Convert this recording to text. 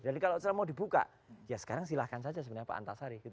jadi kalau mau dibuka ya sekarang silahkan saja sebenarnya pak antasari